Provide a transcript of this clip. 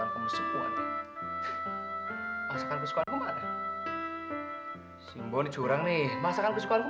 kamu menghancurkan rumah tangga aku